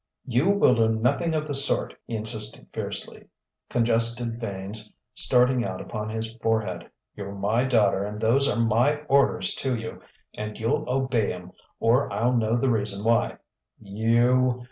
"You will do nothing of the sort," he insisted fiercely, congested veins starting out upon his forehead. "You're my daughter, and those are my orders to you, and you'll obey 'em or I'll know the reason why. You...."